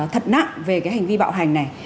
thật nặng về cái hành vi bạo hành này